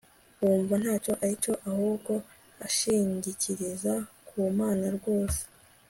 wumva ntacyo ari cyo ahubwo akishingikiriza ku Mana rwose